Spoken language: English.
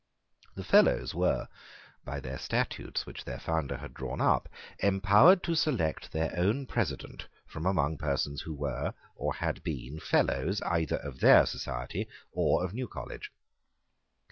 The Fellows were, by the statutes which their founder had drawn up, empowered to select their own President from among persons who were, or had been, Fellows either of their society or of New College.